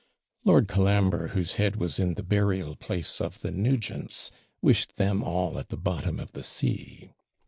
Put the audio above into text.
Lord Colambre, whose head was in the burial place of the Nugents, wished them all at the bottom of the sea.